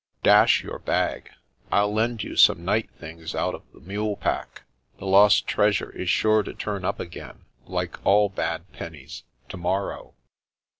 " Dash your bag ! I'll lend you some night things out of the mule pack. The lost treasure is sure to turn up again, like all bad pennies, to morrow."